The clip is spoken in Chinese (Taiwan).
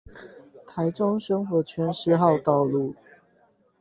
臺中生活圈四號道路